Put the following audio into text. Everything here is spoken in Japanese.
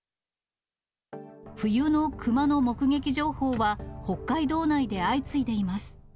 冬の熊の目撃情報は、北海道内で相次いでいます。